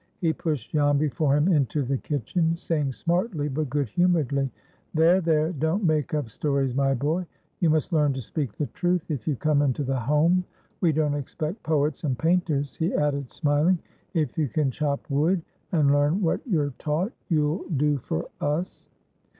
He pushed Jan before him into the kitchen, saying smartly, but good humoredly, "There, there! Don't make up stories, my boy. You must learn to speak the truth, if you come into the Home. We don't expect poets and painters," he added, smiling. "If you can chop wood, and learn what you're taught, you'll do for us."